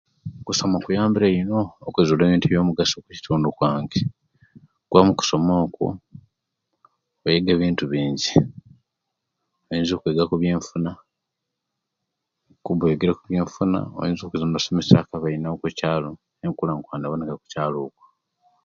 Okusoma kuyambire ino okuzula ebintu byomugaso okitundu kyange kuba mukusoma okwo oyega ebintu bingi oyinza okwega kubyenfunakuba oyegere ku byenfuna oyinza okwiza nosomesya ku abainawo okukyalo nobakulankulanya bona oku kyalo